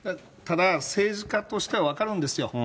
ただ、政治家としては分かるんですよ。